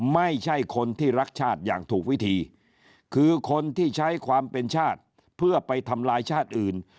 ไม่ใช่คนที่รักชาติอย่างถูกวิธีคือคนที่ใช้ความเป็นชาติเพื่อไปทำลายชาติอื่น